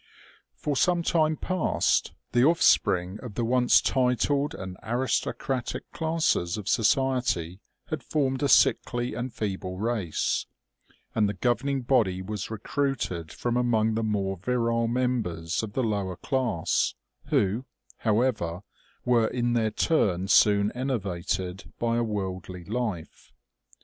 For some time past, the offspring of the once titled and aristocratic classes of society had formed a sickly and feeble race, and the governing body was recruited from among the more virile members of the lower class, who, however, were in their turn soon enervated by a worldly life.